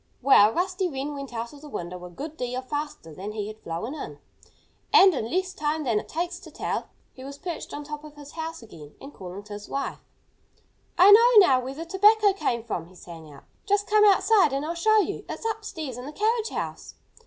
Well, Rusty Wren went out of the window a good deal faster than he had flown in. And, in less time than it takes to tell it, he was perched on top of his house again and calling to his wife. "I know now where the tobacco came from!" he sang out. "Just come outside and I'll show you. It's upstairs in the carriage house!"